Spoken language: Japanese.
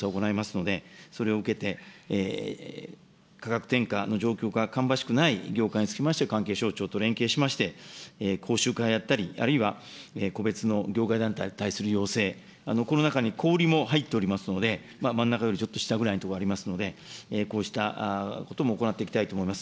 調査を行いですね、特に３０万社調査を行いますので、それを受けて、価格転嫁の状況が芳しくない業界につきまして、関係省庁と連携いたしまして、講習会をやったり、あるいは個別の業界団体に対する要請、この中に小売りも入っておりますので、真ん中よりちょっと下のところぐらいにありますので、こうしたことも行っていきたいと思います。